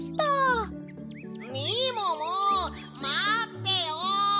・みももまってよ！